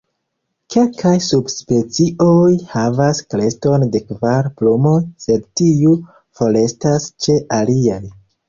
Kelkaj subspecioj havas kreston de kvar plumoj, sed tiu forestas ĉe aliaj.